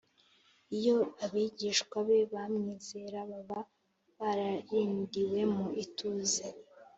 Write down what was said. iyo abigishwa be bamwizera, baba bararindiwe mu ituze